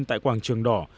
tại quảng trường đỏ